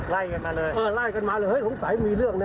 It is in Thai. ไล่กันมาเลยเออไล่กันมาเลยเฮ้ยสงสัยมีเรื่องนะ